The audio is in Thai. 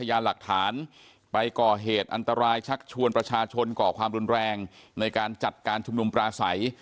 ยาหลักฐานไปก่อเหตุอันตรายชักชวนประชาชนก่อความรุนแรงในการจัดการชุมนุมปลาใส